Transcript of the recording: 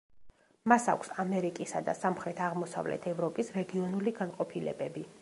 მას აქვს ამერიკისა და სამხრეთ–აღმოსავლეთ ევროპის რეგიონული განყოფილებები.